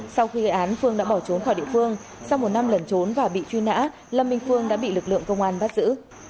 sau khi gây án phương đã bỏ trốn khỏi địa phương sau một năm lần trốn và bị truy nã lâm minh phương đã bị lực lượng công an bắt giữ